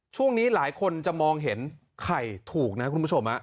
ช่วงนี้หลายคนจะมองเห็นไข่ถูกนะคุณผู้ชม